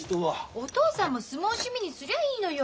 お父さんも相撲趣味にすりゃいいのよ。